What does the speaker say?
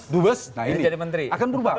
dubes akan berubah